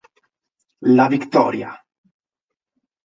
La Victoria